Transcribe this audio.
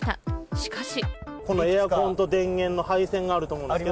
しかし。